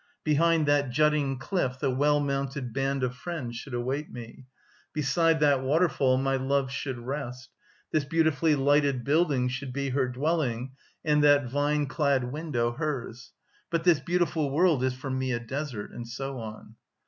"Behind that jutting cliff the well‐mounted band of friends should await me,—beside that waterfall my love should rest; this beautifully lighted building should be her dwelling, and that vine‐clad window hers;—but this beautiful world is for me a desert!" and so on.